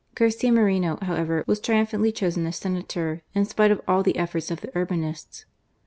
Garcia Moreno, however, was triumphantly chosen as Senator, in spite of all the efforts of the Urbinists.